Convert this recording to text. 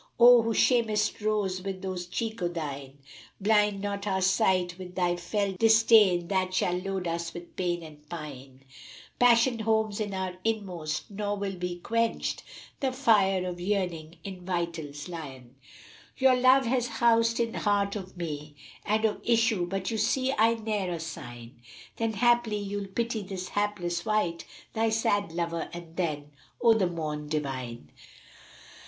* O who shamest Rose wi' those cheeks o' thine! Blind not our sight wi' thy fell disdain, * Disdain, that shall load us with pain and pine; Passion homes in our inmost, nor will be quenched * The fire of yearning in vitals li'en: Your love has housčd in heart of me * And of issue but you see I ne'er a sign: Then haply you'll pity this hapless wight * Thy sad lover and then—O the Morn divine!"